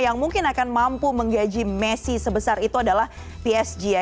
yang mungkin akan mampu menggaji messi sebesar itu adalah psg ya